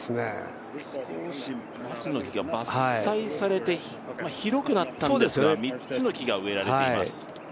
少し松の木が伐採されて、広くなったんですが、３つの木が植えられています。